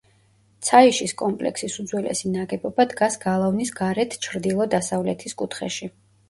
ცაიშის კომპლექსის უძველესი ნაგებობა დგას გალავნის გარეთ ჩრდილო-დასავლეთის კუთხეში.